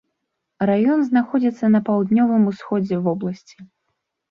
Раён знаходзіцца на паўднёвым усходзе вобласці.